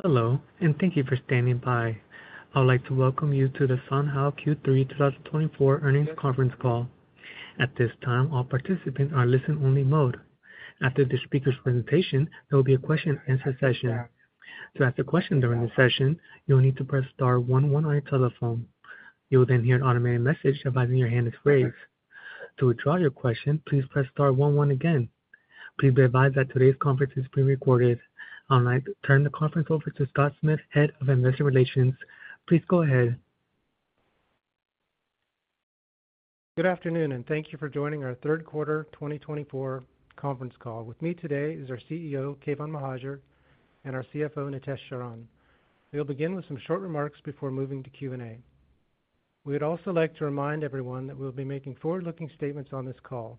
Hello, and thank you for standing by. I would like to welcome you to the SoundHound Q3 2024 earnings conference call. At this time, all participants are in listen-only mode. After the speaker's presentation, there will be a question-and-answer session. To ask a question during the session, you will need to press star one one on your telephone. You will then hear an automated message advising your hand is raised. To withdraw your question, please press star one one again. Please be advised that today's conference is being recorded. I would like to turn the conference over to Scott Smith, Head of Investor Relations. Please go ahead. Good afternoon, and thank you for joining our third quarter 2024 conference call. With me today is our CEO, Keyvan Mohajer, and our CFO, Nitesh Sharan. We will begin with some short remarks before moving to Q&A. We would also like to remind everyone that we will be making forward-looking statements on this call.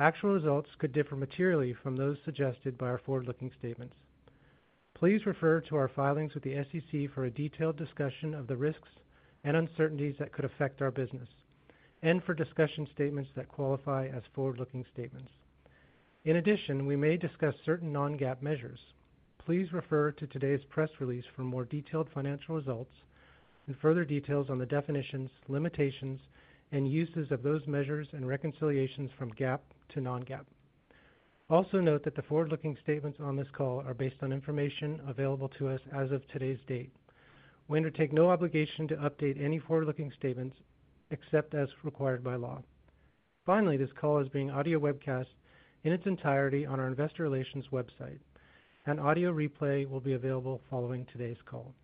Actual results could differ materially from those suggested by our forward-looking statements. Please refer to our filings with the SEC for a detailed discussion of the risks and uncertainties that could affect our business, and for discussion statements that qualify as forward-looking statements. In addition, we may discuss certain non-GAAP measures. Please refer to today's press release for more detailed financial results and further details on the definitions, limitations, and uses of those measures and reconciliations from GAAP to non-GAAP. Also note that the forward-looking statements on this call are based on information available to us as of today's date. We undertake no obligation to update any forward-looking statements except as required by law. Finally, this call is being audio-webcast in its entirety on our investor relations website, and audio replay will be available following today's call.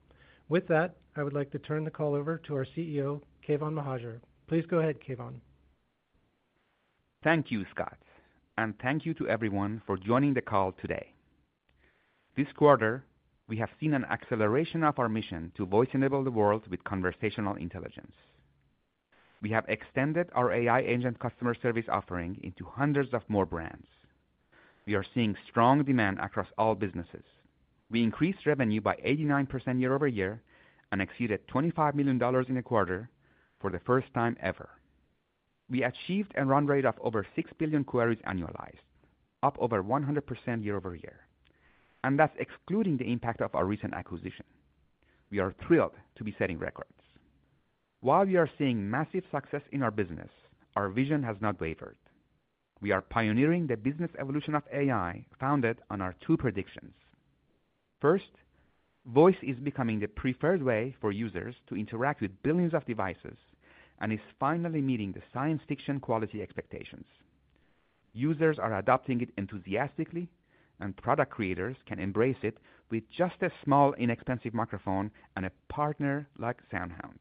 With that, I would like to turn the call over to our CEO, Keyvan Mohajer. Please go ahead, Keyvan. Thank you, Scott, and thank you to everyone for joining the call today. This quarter, we have seen an acceleration of our mission to voice-enable the world with conversational intelligence. We have extended our AI agent customer service offering into hundreds of more brands. We are seeing strong demand across all businesses. We increased revenue by 89% year over year and exceeded $25 million in the quarter for the first time ever. We achieved a run rate of over 6 billion queries annualized, up over 100% year over year. And that's excluding the impact of our recent acquisition. We are thrilled to be setting records. While we are seeing massive success in our business, our vision has not wavered. We are pioneering the business evolution of AI founded on our two predictions. First, voice is becoming the preferred way for users to interact with billions of devices and is finally meeting the science fiction quality expectations. Users are adopting it enthusiastically, and product creators can embrace it with just a small, inexpensive microphone and a partner like SoundHound.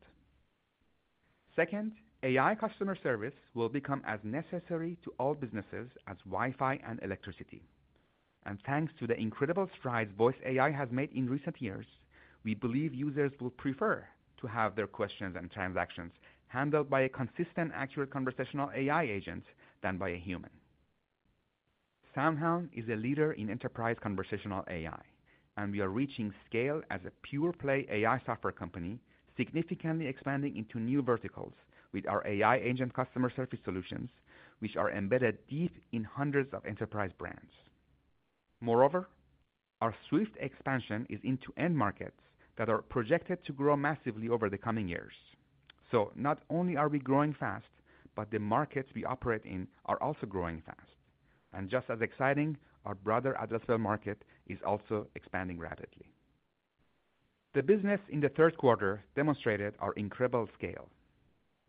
Second, AI customer service will become as necessary to all businesses as Wi-Fi and electricity. And thanks to the incredible strides Voice AI has made in recent years, we believe users will prefer to have their questions and transactions handled by a consistent, accurate conversational AI agent than by a human. SoundHound is a leader in enterprise conversational AI, and we are reaching scale as a pure-play AI software company, significantly expanding into new verticals with our AI agent customer service solutions, which are embedded deep in hundreds of enterprise brands. Moreover, our swift expansion is into end markets that are projected to grow massively over the coming years. So not only are we growing fast, but the markets we operate in are also growing fast. And just as exciting, our broader addressable market is also expanding rapidly. The business in the third quarter demonstrated our incredible scale.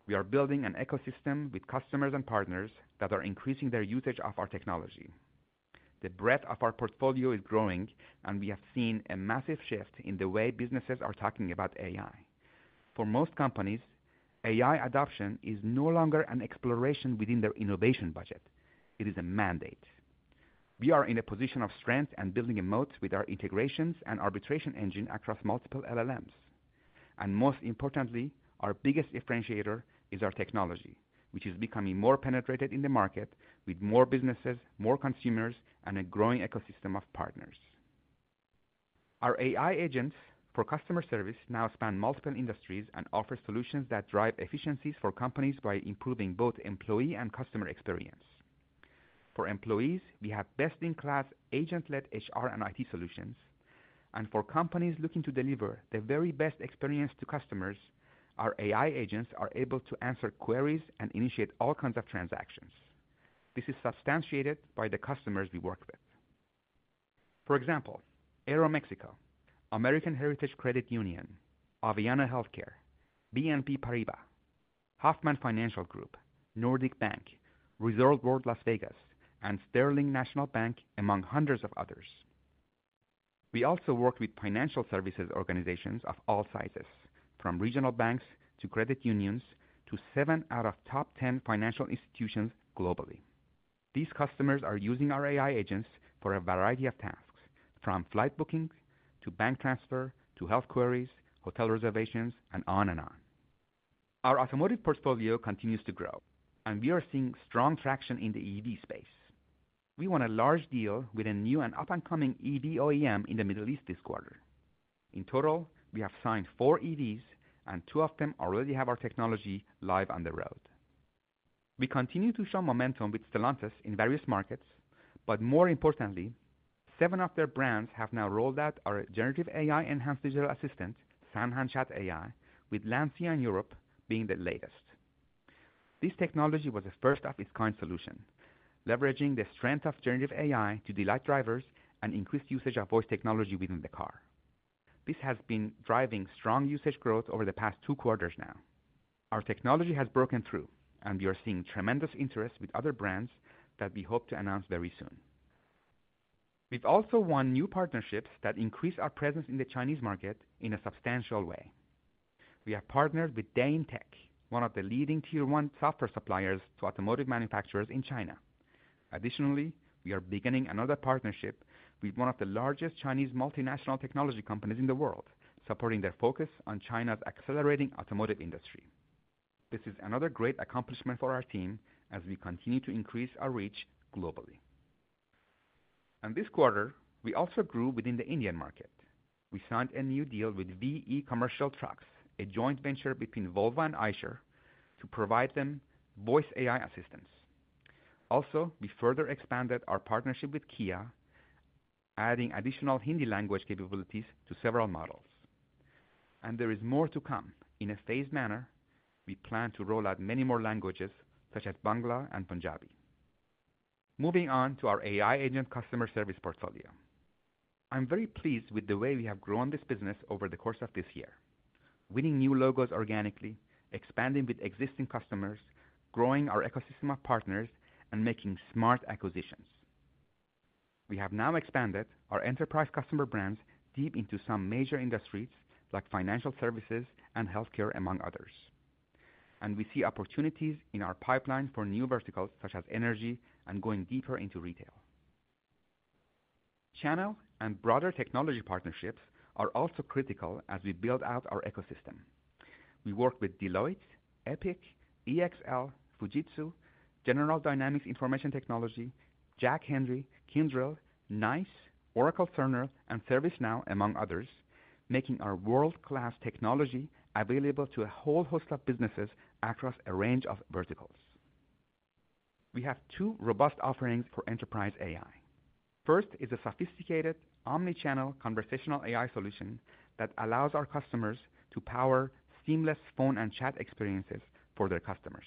We are building an ecosystem with customers and partners that are increasing their usage of our technology. The breadth of our portfolio is growing, and we have seen a massive shift in the way businesses are talking about AI. For most companies, AI adoption is no longer an exploration within their innovation budget. It is a mandate. We are in a position of strength and building a moat with our integrations and arbitration engine across multiple LLMs. Most importantly, our biggest differentiator is our technology, which is becoming more penetrated in the market with more businesses, more consumers, and a growing ecosystem of partners. Our AI agents for customer service now span multiple industries and offer solutions that drive efficiencies for companies by improving both employee and customer experience. For employees, we have best-in-class agent-led HR and IT solutions. For companies looking to deliver the very best experience to customers, our AI agents are able to answer queries and initiate all kinds of transactions. This is substantiated by the customers we work with. For example, Aeromexico, American Heritage Credit Union, Aveanna Healthcare, BNP Paribas, Hoffman Financial Group, Nordea Bank, Resorts World Las Vegas, and Sterling National Bank, among hundreds of others. We also work with financial services organizations of all sizes, from regional banks to credit unions to seven out of top 10 financial institutions globally. These customers are using our AI agents for a variety of tasks, from flight booking to bank transfer to health queries, hotel reservations, and on and on. Our automotive portfolio continues to grow, and we are seeing strong traction in the EV space. We won a large deal with a new and up-and-coming EV OEM in the Middle East this quarter. In total, we have signed four EVs, and two of them already have our technology live on the road. We continue to show momentum with Stellantis in various markets, but more importantly, seven of their brands have now rolled out our generative AI-enhanced digital assistant, SoundHound Chat AI, with Lancia in Europe being the latest. This technology was a first-of-its-kind solution, leveraging the strength of generative AI to delight drivers and increase usage of voice technology within the car. This has been driving strong usage growth over the past two quarters now. Our technology has broken through, and we are seeing tremendous interest with other brands that we hope to announce very soon. We've also won new partnerships that increase our presence in the Chinese market in a substantial way. We have partnered with Dantek, one of the leading tier-one software suppliers to automotive manufacturers in China. Additionally, we are beginning another partnership with one of the largest Chinese multinational technology companies in the world, supporting their focus on China's accelerating automotive industry. This is another great accomplishment for our team as we continue to increase our reach globally. In this quarter, we also grew within the Indian market. We signed a new deal with VE Commercial Vehicles, a joint venture between Volvo and Eicher, to provide them voice AI assistants. Also, we further expanded our partnership with Kia, adding additional Hindi language capabilities to several models. And there is more to come. In a phased manner, we plan to roll out many more languages, such as Bangla and Punjabi. Moving on to our AI agent customer service portfolio. I'm very pleased with the way we have grown this business over the course of this year, winning new logos organically, expanding with existing customers, growing our ecosystem of partners, and making smart acquisitions. We have now expanded our enterprise customer brands deep into some major industries like financial services and healthcare, among others. And we see opportunities in our pipeline for new verticals such as energy and going deeper into retail. Channel and broader technology partnerships are also critical as we build out our ecosystem. We work with Deloitte, Epic, EXL, Fujitsu, General Dynamics Information Technology, Jack Henry, Kyndryl, NICE, Oracle, and ServiceNow, among others, making our world-class technology available to a whole host of businesses across a range of verticals. We have two robust offerings for enterprise AI. First is a sophisticated omnichannel conversational AI solution that allows our customers to power seamless phone and chat experiences for their customers.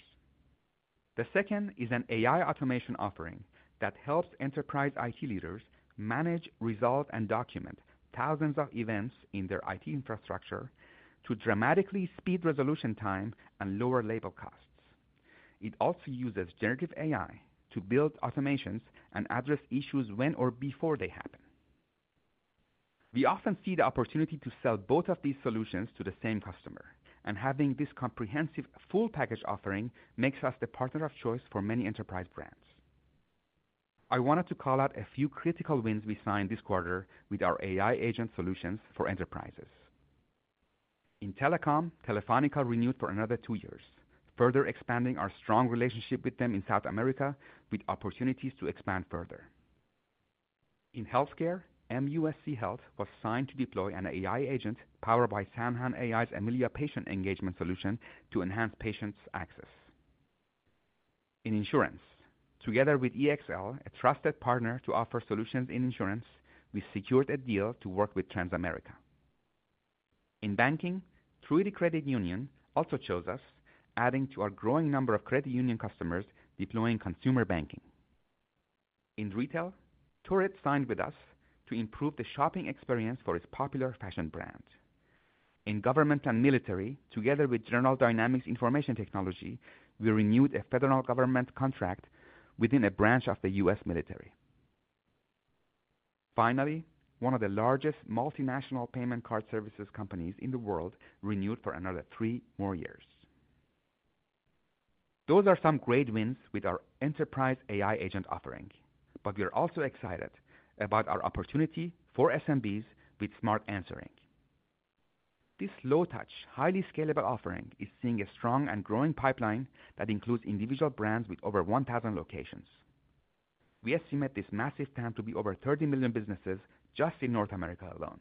The second is an AI automation offering that helps enterprise IT leaders manage, resolve, and document thousands of events in their IT infrastructure to dramatically speed resolution time and lower label costs. It also uses generative AI to build automations and address issues when or before they happen. We often see the opportunity to sell both of these solutions to the same customer, and having this comprehensive full package offering makes us the partner of choice for many enterprise brands. I wanted to call out a few critical wins we signed this quarter with our AI agent solutions for enterprises. In telecom, Telefónica renewed for another two years, further expanding our strong relationship with them in South America, with opportunities to expand further. In healthcare, MUSC Health was signed to deploy an AI agent powered by SoundHound AI's Amelia patient engagement solution to enhance patients' access. In insurance, together with EXL, a trusted partner to offer solutions in insurance, we secured a deal to work with Transamerica. In banking, Truliant Credit Union also chose us, adding to our growing number of credit union customers deploying consumer banking. In retail, Torrid signed with us to improve the shopping experience for its popular fashion brand. In government and military, together with General Dynamics Information Technology, we renewed a federal government contract within a branch of the U.S. military. Finally, one of the largest multinational payment card services companies in the world renewed for another three more years. Those are some great wins with our enterprise AI agent offering, but we are also excited about our opportunity for SMBs with Smart Answering. This low-touch, highly scalable offering is seeing a strong and growing pipeline that includes individual brands with over 1,000 locations. We estimate this massive market to be over 30 million businesses just in North America alone.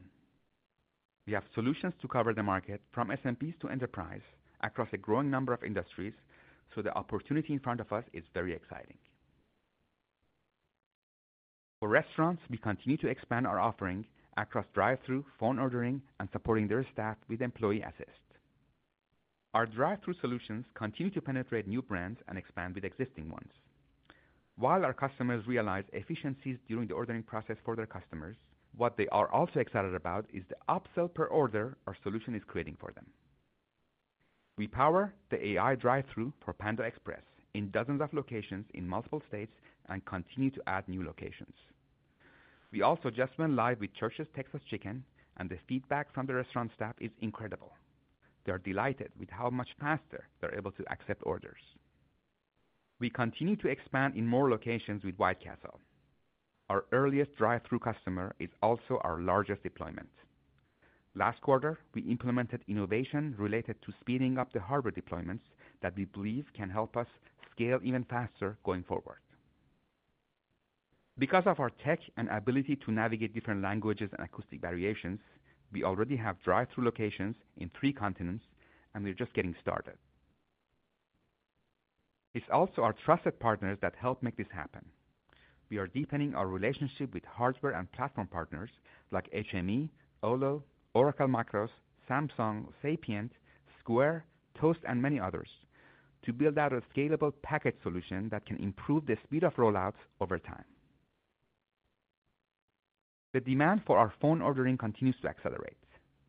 We have solutions to cover the market from SMBs to enterprise across a growing number of industries, so the opportunity in front of us is very exciting. For restaurants, we continue to expand our offering across drive-thru, phone ordering, and supporting their staff with Employee Assist. Our drive-thru solutions continue to penetrate new brands and expand with existing ones. While our customers realize efficiencies during the ordering process for their customers, what they are also excited about is the upsell per order our solution is creating for them. We power the AI drive-thru for Panda Express in dozens of locations in multiple states and continue to add new locations. We also just went live with Church's Texas Chicken, and the feedback from the restaurant staff is incredible. They are delighted with how much faster they're able to accept orders. We continue to expand in more locations with White Castle. Our earliest drive-thru customer is also our largest deployment. Last quarter, we implemented innovation related to speeding up the hardware deployments that we believe can help us scale even faster going forward. Because of our tech and ability to navigate different languages and acoustic variations, we already have drive-thru locations in three continents, and we're just getting started. It's also our trusted partners that help make this happen. We are deepening our relationship with hardware and platform partners like HME, Olo, Oracle Micros, Samsung, Sapient, Square, Toast, and many others to build out a scalable package solution that can improve the speed of rollout over time. The demand for our phone ordering continues to accelerate.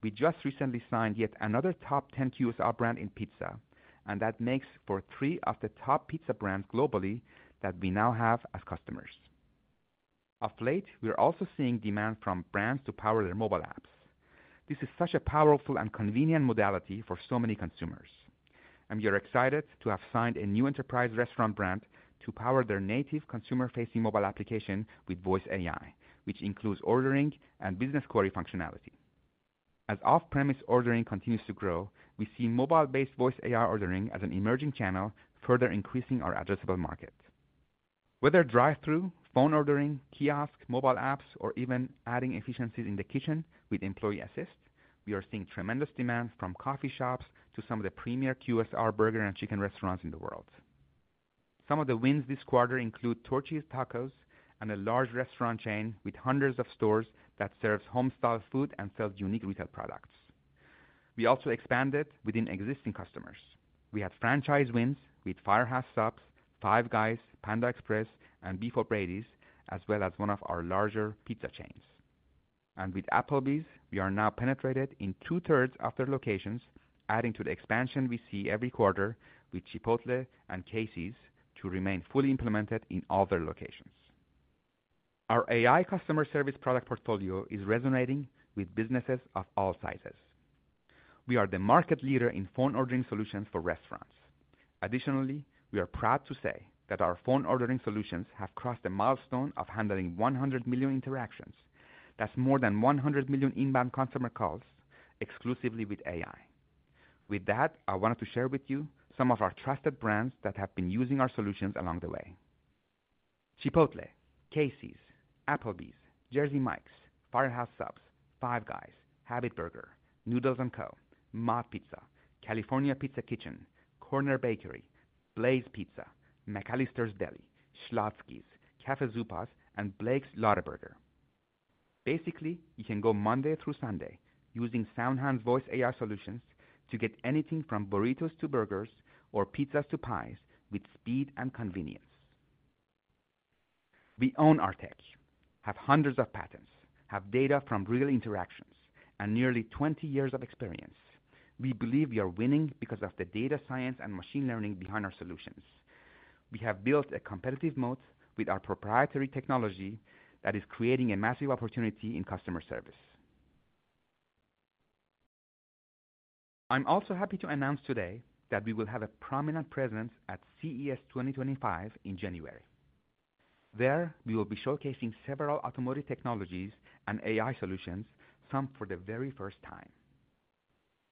We just recently signed yet another top 10 QSR brand in pizza, and that makes for three of the top pizza brands globally that we now have as customers. Of late, we're also seeing demand from brands to power their mobile apps. This is such a powerful and convenient modality for so many consumers. And we are excited to have signed a new enterprise restaurant brand to power their native consumer-facing mobile application with Voice AI, which includes ordering and business query functionality. As off-premise ordering continues to grow, we see mobile-based Voice AI ordering as an emerging channel, further increasing our addressable market. Whether drive-thru, phone ordering, kiosks, mobile apps, or even adding efficiencies in the kitchen with Employee Assist, we are seeing tremendous demand from coffee shops to some of the premier QSR burger and chicken restaurants in the world. Some of the wins this quarter include Torchy's Tacos and a large restaurant chain with hundreds of stores that serves home-style food and sells unique retail products. We also expanded within existing customers. We had franchise wins with Firehouse Subs, Five Guys, Panda Express, and Beef 'O' Brady's, as well as one of our larger pizza chains. And with Applebee's, we are now penetrated in two-thirds of their locations, adding to the expansion we see every quarter with Chipotle and Casey's to remain fully implemented in all their locations. Our AI customer service product portfolio is resonating with businesses of all sizes. We are the market leader in phone ordering solutions for restaurants. Additionally, we are proud to say that our phone ordering solutions have crossed the milestone of handling 100 million interactions. That's more than 100 million inbound customer calls exclusively with AI. With that, I wanted to share with you some of our trusted brands that have been using our solutions along the way. Chipotle, Casey's, Applebee's, Jersey Mike's, Firehouse Subs, Five Guys, Habit Burger Grill, Noodles & Company, MOD Pizza, California Pizza Kitchen, Corner Bakery, Blaze Pizza, McAlister's Deli, Schlotzsky's, Café Zupas, and Blake's Lotaburger. Basically, you can go Monday through Sunday using SoundHound's Voice AI solutions to get anything from burritos to burgers or pizzas to pies with speed and convenience. We own our tech, have hundreds of patents, have data from real interactions, and nearly 20 years of experience. We believe we are winning because of the data science and machine learning behind our solutions. We have built a competitive moat with our proprietary technology that is creating a massive opportunity in customer service. I'm also happy to announce today that we will have a prominent presence at CES 2025 in January. There, we will be showcasing several automotive technologies and AI solutions, some for the very first time.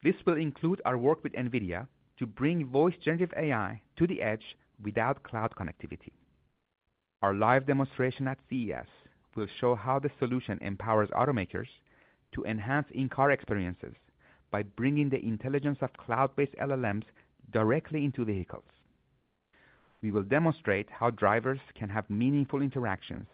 This will include our work with NVIDIA to bring voice-generative AI to the edge without cloud connectivity. Our live demonstration at CES will show how the solution empowers automakers to enhance in-car experiences by bringing the intelligence of cloud-based LLMs directly into vehicles. We will demonstrate how drivers can have meaningful interactions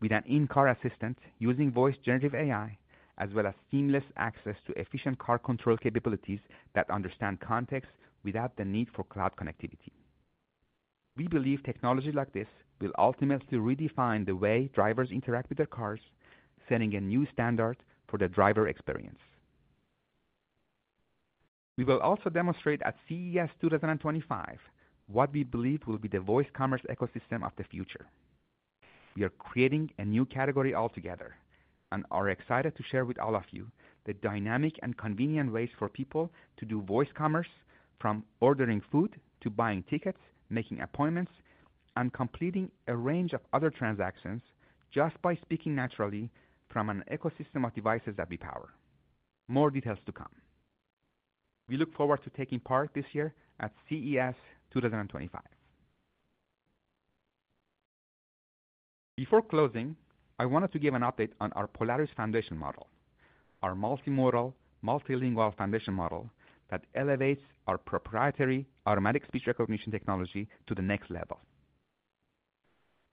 with an in-car assistant using voice-generative AI, as well as seamless access to efficient car control capabilities that understand context without the need for cloud connectivity. We believe technology like this will ultimately redefine the way drivers interact with their cars, setting a new standard for the driver experience. We will also demonstrate at CES 2025 what we believe will be the voice commerce ecosystem of the future. We are creating a new category altogether and are excited to share with all of you the dynamic and convenient ways for people to do voice commerce, from ordering food to buying tickets, making appointments, and completing a range of other transactions just by speaking naturally from an ecosystem of devices that we power. More details to come. We look forward to taking part this year at CES 2025. Before closing, I wanted to give an update on our Polaris foundation model, our multimodal, multilingual foundation model that elevates our proprietary automatic speech recognition technology to the next level.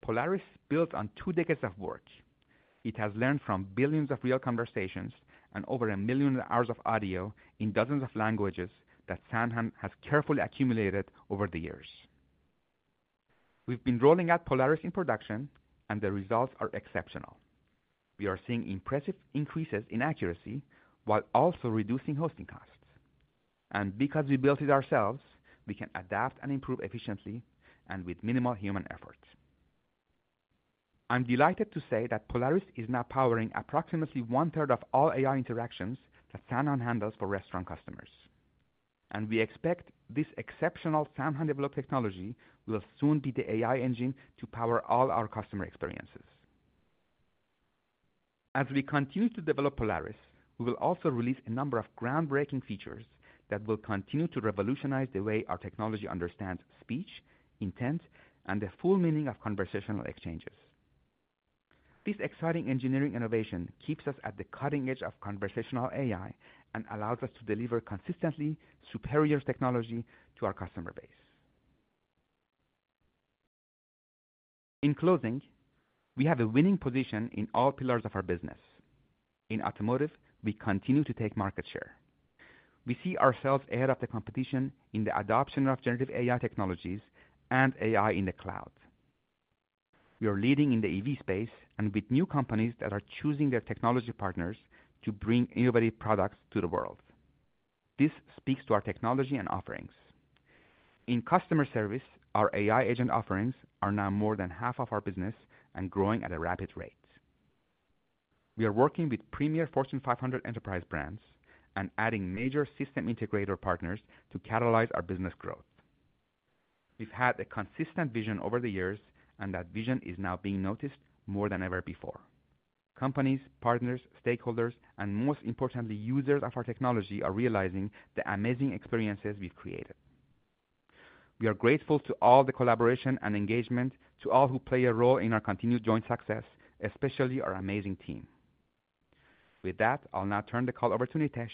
Polaris built on two decades of work. It has learned from billions of real conversations and over a million hours of audio in dozens of languages that SoundHound has carefully accumulated over the years. We've been rolling out Polaris in production, and the results are exceptional. We are seeing impressive increases in accuracy while also reducing hosting costs, and because we built it ourselves, we can adapt and improve efficiently and with minimal human effort. I'm delighted to say that Polaris is now powering approximately one-third of all AI interactions that SoundHound handles for restaurant customers, and we expect this exceptional SoundHound developed technology will soon be the AI engine to power all our customer experiences. As we continue to develop Polaris, we will also release a number of groundbreaking features that will continue to revolutionize the way our technology understands speech, intent, and the full meaning of conversational exchanges. This exciting engineering innovation keeps us at the cutting edge of conversational AI and allows us to deliver consistently superior technology to our customer base. In closing, we have a winning position in all pillars of our business. In automotive, we continue to take market share. We see ourselves ahead of the competition in the adoption of generative AI technologies and AI in the cloud. We are leading in the EV space and with new companies that are choosing their technology partners to bring innovative products to the world. This speaks to our technology and offerings. In customer service, our AI agent offerings are now more than half of our business and growing at a rapid rate. We are working with premier Fortune 500 enterprise brands and adding major system integrator partners to catalyze our business growth. We've had a consistent vision over the years, and that vision is now being noticed more than ever before. Companies, partners, stakeholders, and most importantly, users of our technology are realizing the amazing experiences we've created. We are grateful to all the collaboration and engagement, to all who play a role in our continued joint success, especially our amazing team. With that, I'll now turn the call over to Nitesh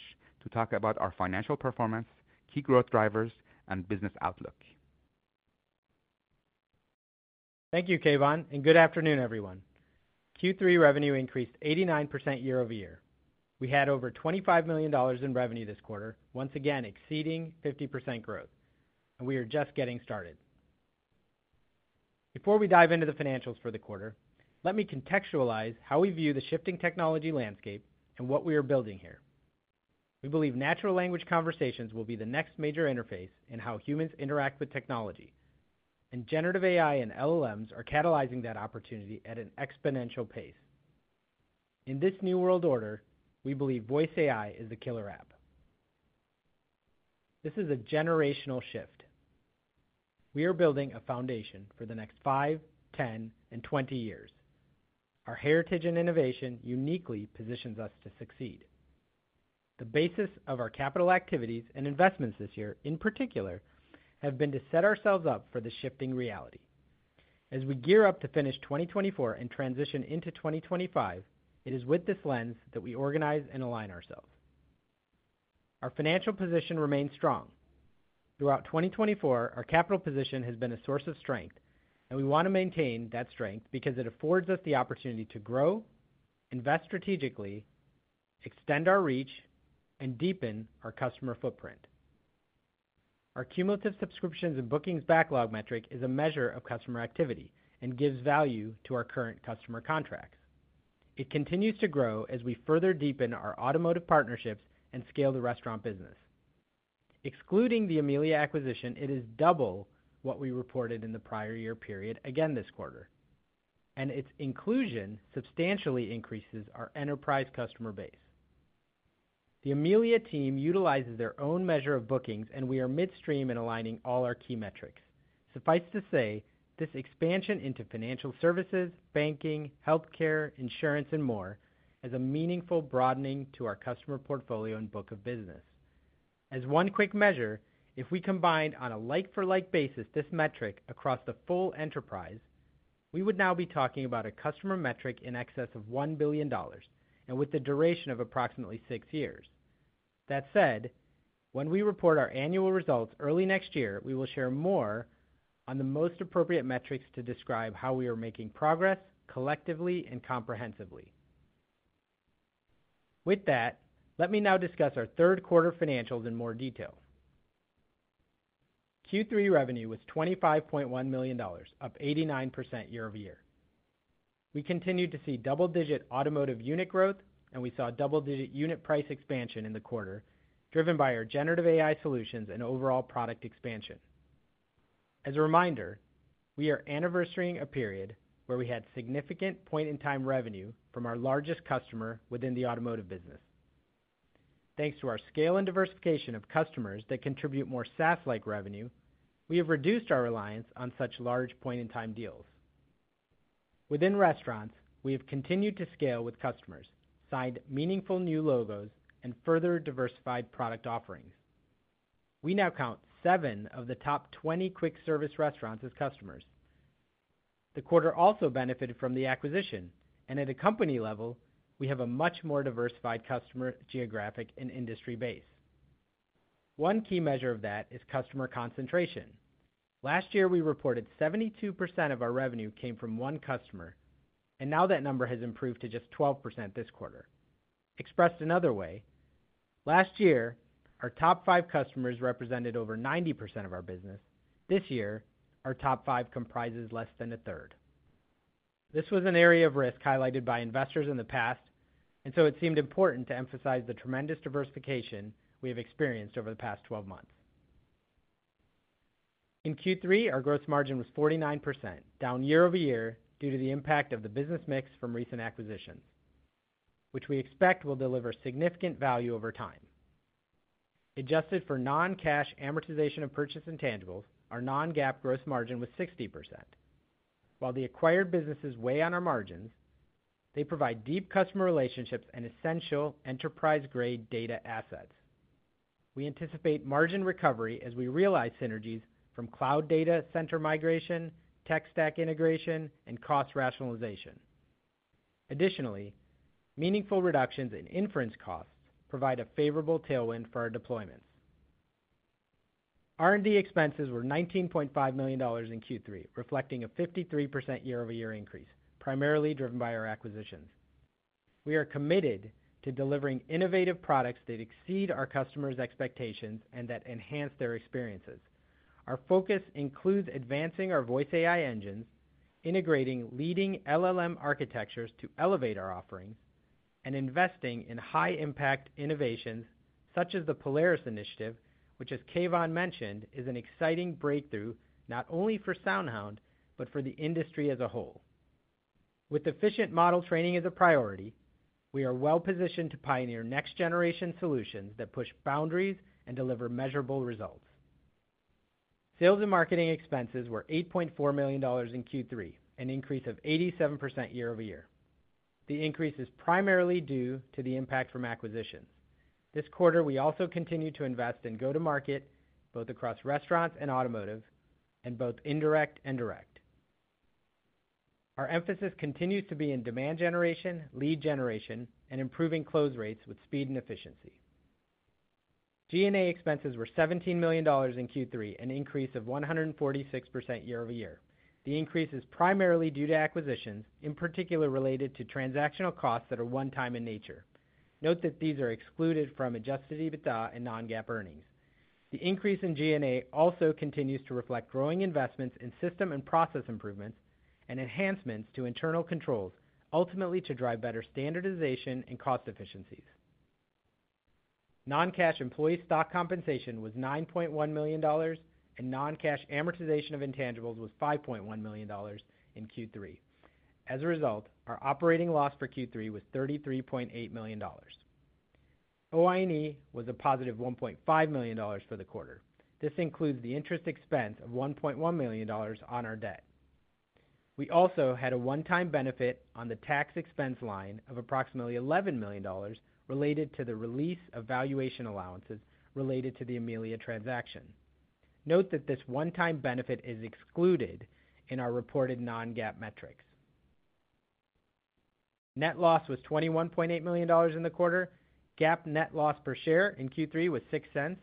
to talk about our financial performance, key growth drivers, and business outlook. Thank you, Keyvan, and good afternoon, everyone. Q3 revenue increased 89% year over year. We had over $25 million in revenue this quarter, once again exceeding 50% growth, and we are just getting started. Before we dive into the financials for the quarter, let me contextualize how we view the shifting technology landscape and what we are building here. We believe natural language conversations will be the next major interface in how humans interact with technology, and generative AI and LLMs are catalyzing that opportunity at an exponential pace. In this new world order, we believe voice AI is the killer app. This is a generational shift. We are building a foundation for the next five, 10, and 20 years. Our heritage and innovation uniquely positions us to succeed. The basis of our capital activities and investments this year, in particular, have been to set ourselves up for the shifting reality. As we gear up to finish 2024 and transition into 2025, it is with this lens that we organize and align ourselves. Our financial position remains strong. Throughout 2024, our capital position has been a source of strength, and we want to maintain that strength because it affords us the opportunity to grow, invest strategically, extend our reach, and deepen our customer footprint. Our cumulative subscriptions and bookings backlog metric is a measure of customer activity and gives value to our current customer contracts. It continues to grow as we further deepen our automotive partnerships and scale the restaurant business. Excluding the Amelia acquisition, it is double what we reported in the prior year period again this quarter, and its inclusion substantially increases our enterprise customer base. The Amelia team utilizes their own measure of bookings, and we are midstream in aligning all our key metrics. Suffice to say, this expansion into financial services, banking, healthcare, insurance, and more is a meaningful broadening to our customer portfolio and book of business. As one quick measure, if we combined on a like-for-like basis this metric across the full enterprise, we would now be talking about a customer metric in excess of $1 billion and with a duration of approximately six years. That said, when we report our annual results early next year, we will share more on the most appropriate metrics to describe how we are making progress collectively and comprehensively. With that, let me now discuss our third quarter financials in more detail. Q3 revenue was $25.1 million, up 89% year over year. We continued to see double-digit automotive unit growth, and we saw double-digit unit price expansion in the quarter, driven by our generative AI solutions and overall product expansion. As a reminder, we are anniversarying a period where we had significant point-in-time revenue from our largest customer within the automotive business. Thanks to our scale and diversification of customers that contribute more SaaS-like revenue, we have reduced our reliance on such large point-in-time deals. Within restaurants, we have continued to scale with customers, signed meaningful new logos, and further diversified product offerings. We now count seven of the top 20 quick-service restaurants as customers. The quarter also benefited from the acquisition, and at a company level, we have a much more diversified customer geographic and industry base. One key measure of that is customer concentration. Last year, we reported 72% of our revenue came from one customer, and now that number has improved to just 12% this quarter. Expressed another way, last year, our top five customers represented over 90% of our business. This year, our top five comprises less than a third. This was an area of risk highlighted by investors in the past, and so it seemed important to emphasize the tremendous diversification we have experienced over the past 12 months. In Q3, our gross margin was 49%, down year over year due to the impact of the business mix from recent acquisitions, which we expect will deliver significant value over time. Adjusted for non-cash amortization of purchase intangibles, our non-GAAP gross margin was 60%. While the acquired businesses weigh on our margins, they provide deep customer relationships and essential enterprise-grade data assets. We anticipate margin recovery as we realize synergies from cloud data center migration, tech stack integration, and cost rationalization. Additionally, meaningful reductions in inference costs provide a favorable tailwind for our deployments. R&D expenses were $19.5 million in Q3, reflecting a 53% year-over-year increase, primarily driven by our acquisitions. We are committed to delivering innovative products that exceed our customers' expectations and that enhance their experiences. Our focus includes advancing our voice AI engines, integrating leading LLM architectures to elevate our offerings, and investing in high-impact innovations such as the Polaris initiative, which, as Keyvan mentioned, is an exciting breakthrough not only for SoundHound but for the industry as a whole. With efficient model training as a priority, we are well-positioned to pioneer next-generation solutions that push boundaries and deliver measurable results. Sales and marketing expenses were $8.4 million in Q3, an increase of 87% year over year. The increase is primarily due to the impact from acquisitions. This quarter, we also continue to invest in go-to-market both across restaurants and automotive and both indirect and direct. Our emphasis continues to be in demand generation, lead generation, and improving close rates with speed and efficiency. G&A expenses were $17 million in Q3, an increase of 146% year over year. The increase is primarily due to acquisitions, in particular related to transactional costs that are one-time in nature. Note that these are excluded from Adjusted EBITDA and non-GAAP earnings. The increase in G&A also continues to reflect growing investments in system and process improvements and enhancements to internal controls, ultimately to drive better standardization and cost efficiencies. Non-cash employee stock compensation was $9.1 million, and non-cash amortization of intangibles was $5.1 million in Q3. As a result, our operating loss for Q3 was $33.8 million. OI&E was a positive $1.5 million for the quarter. This includes the interest expense of $1.1 million on our debt. We also had a one-time benefit on the tax expense line of approximately $11 million related to the release of valuation allowances related to the Amelia transaction. Note that this one-time benefit is excluded in our reported non-GAAP metrics. Net loss was $21.8 million in the quarter. GAAP net loss per share in Q3 was $0.06.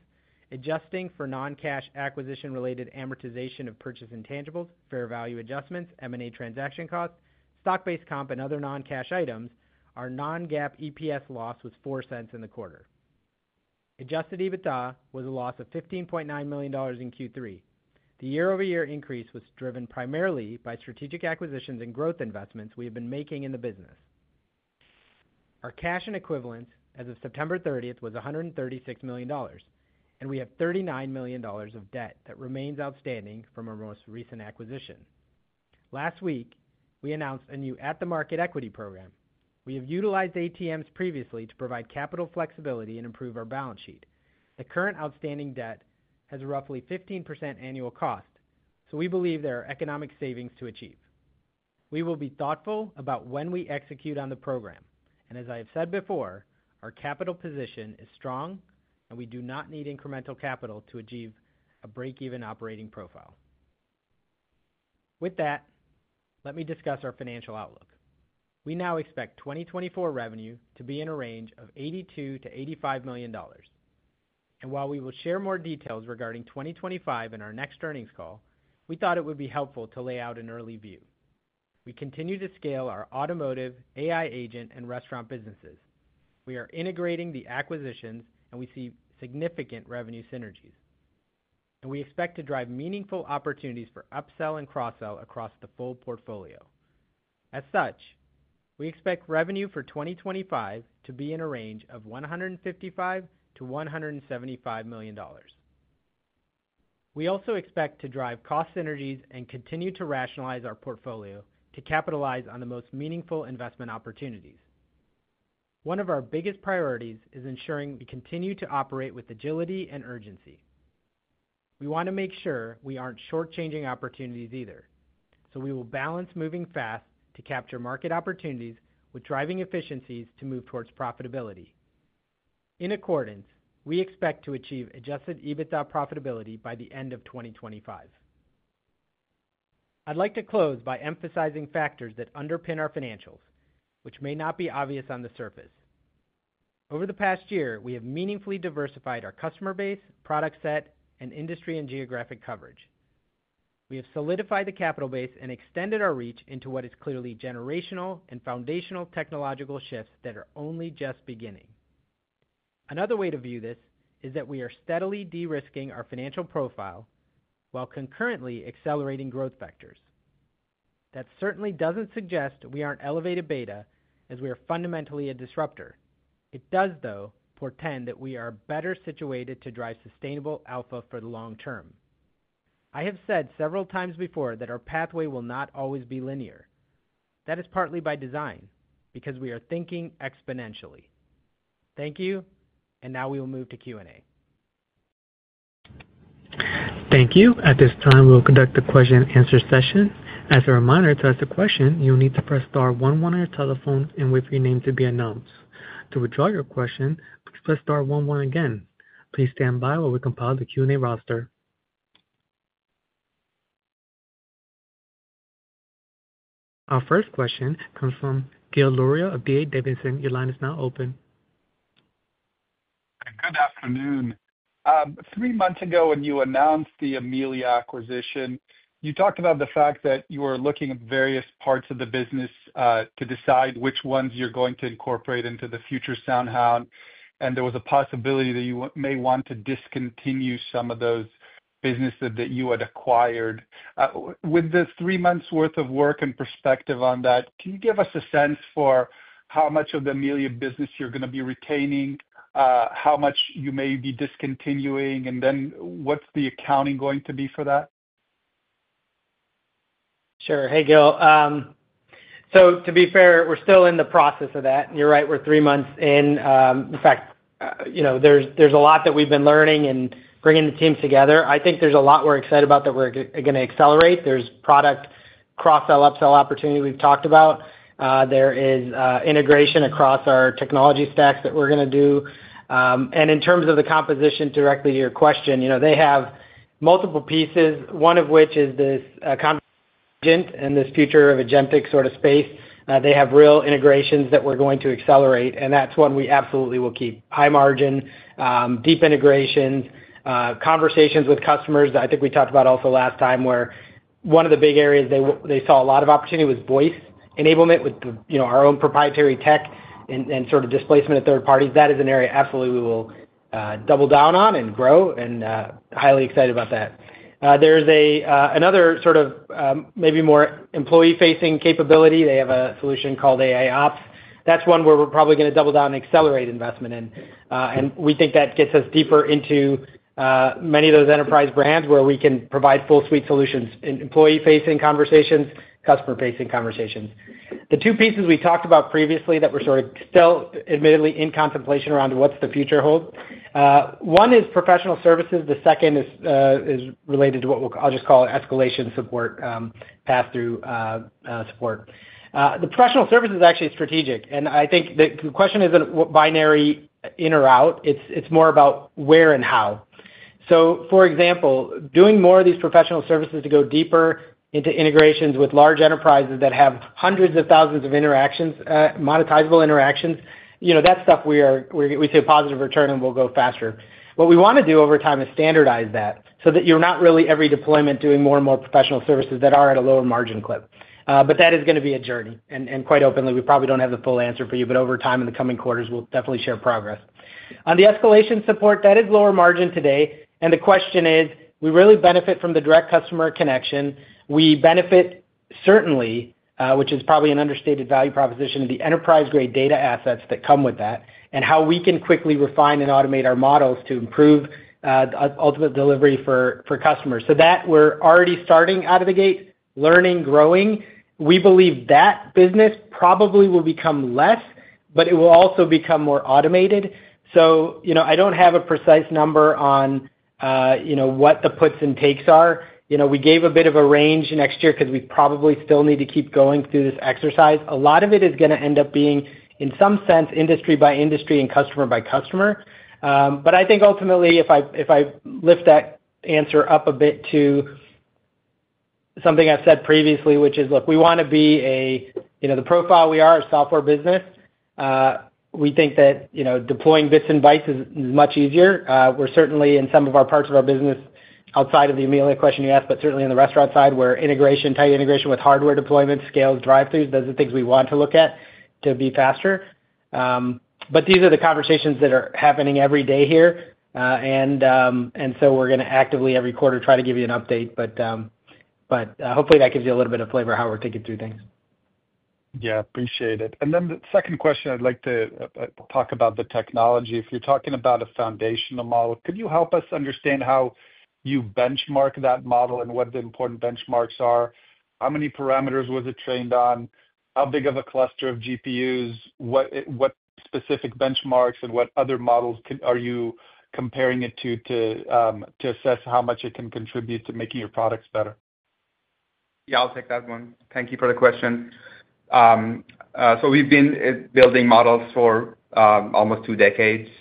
Adjusting for non-cash acquisition-related amortization of purchase intangibles, fair value adjustments, M&A transaction costs, stock-based comp, and other non-cash items, our non-GAAP EPS loss was $0.04 in the quarter. Adjusted EBITDA was a loss of $15.9 million in Q3. The year-over-year increase was driven primarily by strategic acquisitions and growth investments we have been making in the business. Our cash and equivalents as of September 30 was $136 million, and we have $39 million of debt that remains outstanding from our most recent acquisition. Last week, we announced a new at-the-market equity program. We have utilized ATMs previously to provide capital flexibility and improve our balance sheet. The current outstanding debt has roughly 15% annual cost, so we believe there are economic savings to achieve. We will be thoughtful about when we execute on the program, and as I have said before, our capital position is strong, and we do not need incremental capital to achieve a break-even operating profile. With that, let me discuss our financial outlook. We now expect 2024 revenue to be in a range of $82-$85 million. And while we will share more details regarding 2025 in our next earnings call, we thought it would be helpful to lay out an early view. We continue to scale our automotive, AI agent, and restaurant businesses. We are integrating the acquisitions, and we see significant revenue synergies. And we expect to drive meaningful opportunities for upsell and cross-sell across the full portfolio. As such, we expect revenue for 2025 to be in a range of $155-$175 million. We also expect to drive cost synergies and continue to rationalize our portfolio to capitalize on the most meaningful investment opportunities. One of our biggest priorities is ensuring we continue to operate with agility and urgency. We want to make sure we aren't shortchanging opportunities either, so we will balance moving fast to capture market opportunities with driving efficiencies to move towards profitability. In accordance, we expect to achieve Adjusted EBITDA profitability by the end of 2025. I'd like to close by emphasizing factors that underpin our financials, which may not be obvious on the surface. Over the past year, we have meaningfully diversified our customer base, product set, and industry and geographic coverage. We have solidified the capital base and extended our reach into what is clearly generational and foundational technological shifts that are only just beginning. Another way to view this is that we are steadily de-risking our financial profile while concurrently accelerating growth vectors. That certainly doesn't suggest we aren't elevated beta as we are fundamentally a disruptor. It does, though, portend that we are better situated to drive sustainable alpha for the long term. I have said several times before that our pathway will not always be linear. That is partly by design because we are thinking exponentially. Thank you, and now we will move to Q&A. Thank you. At this time, we will conduct the question-and-answer session. As a reminder, to ask a question, you'll need to press star 11 on your telephone and wait for your name to be announced. To withdraw your question, please press star 11 again. Please stand by while we compile the Q&A roster. Our first question comes from Gil Luria of D.A. Davidson. Your line is now open. Good afternoon. Three months ago when you announced the Amelia acquisition, you talked about the fact that you were looking at various parts of the business to decide which ones you're going to incorporate into the future SoundHound, and there was a possibility that you may want to discontinue some of those businesses that you had acquired. With the three months' worth of work and perspective on that, can you give us a sense for how much of the Amelia business you're going to be retaining, how much you may be discontinuing, and then what's the accounting going to be for that? Sure. Hey, Gil. So to be fair, we're still in the process of that. You're right. We're three months in. In fact, there's a lot that we've been learning and bringing the team together. I think there's a lot we're excited about that we're going to accelerate. There's product cross-sell, upsell opportunity we've talked about. There is integration across our technology stacks that we're going to do. And in terms of the composition, directly to your question, they have multiple pieces, one of which is this conversational agent and this future of agentic sort of space. They have real integrations that we're going to accelerate, and that's one we absolutely will keep: high margin, deep integrations, conversations with customers. I think we talked about also last time where one of the big areas they saw a lot of opportunity was voice enablement with our own proprietary tech and sort of displacement of third parties. That is an area absolutely we will double down on and grow, and I'm highly excited about that. There's another sort of maybe more employee-facing capability. They have a solution called AIOps. That's one where we're probably going to double down and accelerate investment in, and we think that gets us deeper into many of those enterprise brands where we can provide full-suite solutions in employee-facing conversations, customer-facing conversations. The two pieces we talked about previously that we're sort of still admittedly in contemplation around what's the future hold. One is professional services. The second is related to what I'll just call escalation support, pass-through support. The professional service is actually strategic, and I think the question isn't binary in or out. It's more about where and how, so for example, doing more of these professional services to go deeper into integrations with large enterprises that have hundreds of thousands of monetizable interactions, that's stuff we see a positive return in, will go faster. What we want to do over time is standardize that so that you're not really every deployment doing more and more professional services that are at a lower margin clip, but that is going to be a journey, and quite openly, we probably don't have the full answer for you, but over time in the coming quarters, we'll definitely share progress. On the escalation support, that is lower margin today, and the question is, we really benefit from the direct customer connection. We benefit certainly, which is probably an understated value proposition, the enterprise-grade data assets that come with that and how we can quickly refine and automate our models to improve ultimate delivery for customers. So that we're already starting out of the gate, learning, growing. We believe that business probably will become less, but it will also become more automated. So I don't have a precise number on what the puts and takes are. We gave a bit of a range next year because we probably still need to keep going through this exercise. A lot of it is going to end up being, in some sense, industry by industry and customer by customer. But I think ultimately, if I lift that answer up a bit to something I've said previously, which is, look, we want to be the profile we are, a software business. We think that deploying bits and bytes is much easier. We're certainly in some of our parts of our business outside of the Amelia question you asked, but certainly in the restaurant side where integration, tight integration with hardware deployment, scales, drive-throughs, those are things we want to look at to be faster. But these are the conversations that are happening every day here, and so we're going to actively every quarter try to give you an update. But hopefully, that gives you a little bit of flavor of how we're thinking through things. Yeah. Appreciate it. And then the second question I'd like to talk about the technology. If you're talking about a foundational model, could you help us understand how you benchmark that model and what the important benchmarks are? How many parameters was it trained on? How big of a cluster of GPUs? What specific benchmarks and what other models are you comparing it to to assess how much it can contribute to making your products better? Yeah. I'll take that one. Thank you for the question. So we've been building models for almost two decades, and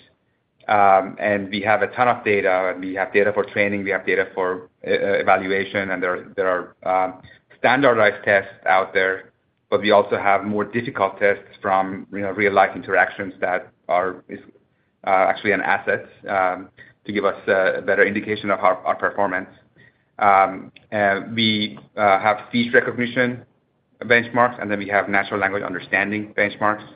we have a ton of data. We have data for training. We have data for evaluation, and there are standardized tests out there, but we also have more difficult tests from real-life interactions that are actually an asset to give us a better indication of our performance. We have speech recognition benchmarks, and then we have natural language understanding benchmarks.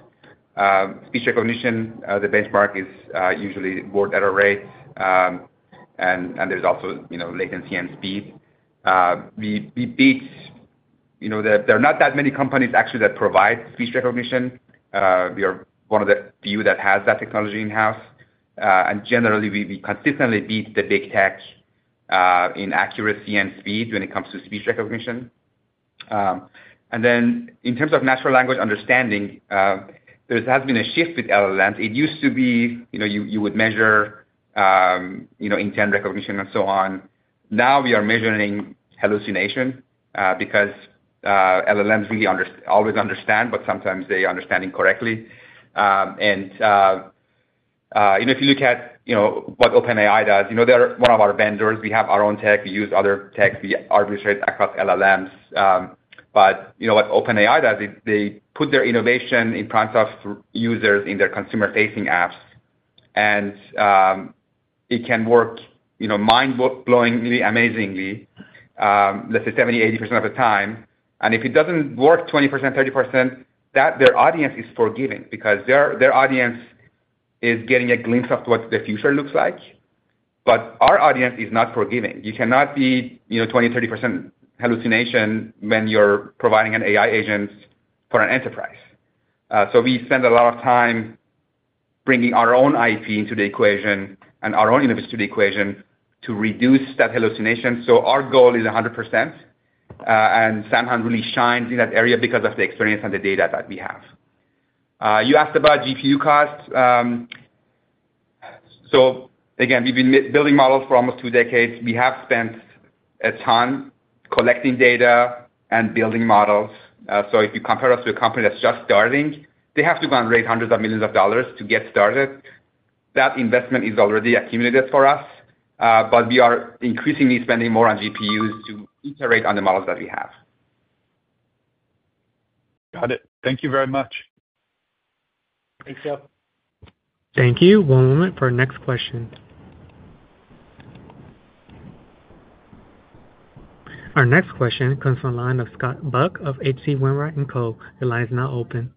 Speech recognition, the benchmark is usually word error rate, and there's also latency and speed. We beat. There are not that many companies actually that provide speech recognition. We are one of the few that has that technology in-house, and generally, we consistently beat the big tech in accuracy and speed when it comes to speech recognition, and then in terms of natural language understanding, there has been a shift with LLMs. It used to be you would measure intent recognition and so on. Now we are measuring hallucination because LLMs really always understand, but sometimes they are understanding correctly, and if you look at what OpenAI does, they're one of our vendors. We have our own tech. We use other tech. We arbitrate across LLMs. But what OpenAI does, they put their innovation in front of users in their consumer-facing apps, and it can work mind-blowingly amazingly, let's say 70%-80% of the time. And if it doesn't work 20%-30%, their audience is forgiving because their audience is getting a glimpse of what the future looks like. But our audience is not forgiving. You cannot be 20%-30% hallucination when you're providing an AI agent for an enterprise. So we spend a lot of time bringing our own IP into the equation and our own innovation to the equation to reduce that hallucination. So our goal is 100%, and SoundHound really shines in that area because of the experience and the data that we have. You asked about GPU costs. So again, we've been building models for almost two decades. We have spent a ton collecting data and building models. So if you compare us to a company that's just starting, they have to go and raise hundreds of millions of dollars to get started. That investment is already accumulated for us, but we are increasingly spending more on GPUs to iterate on the models that we have. Got it. Thank you very much. Thanks, Gil. Thank you. One moment for our next question. Our next question comes from the line of Scott Buck of H.C. Wainwright & Co. Your line is now open.